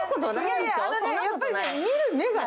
やっぱりね、見る目がね。